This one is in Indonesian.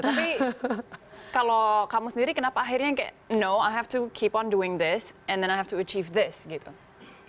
tapi kalau kamu sendiri kenapa akhirnya kayak no aku harus terusin ini terus aku harus mencapai ini